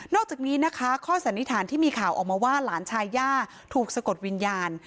อกจากนี้นะคะข้อสันนิษฐานที่มีข่าวออกมาว่าหลานชายย่าถูกสะกดวิญญาณ